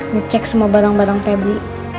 ngecek semua barang barang febri